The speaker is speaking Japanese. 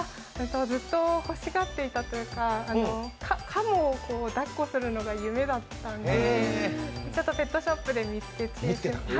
ずっとほしがっていたというかカモをだっこするのが夢だったのでペットショップで見つけて。